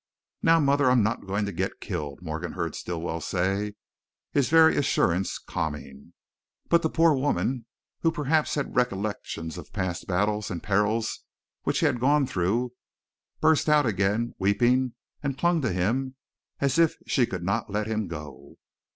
"Now, Mother, I'm not goin' to git killed," Morgan heard Stilwell say, his very assurance calming. But the poor woman, who perhaps had recollections of past battles and perils which he had gone through, burst out again, weeping, and clung to him as if she could not let him go.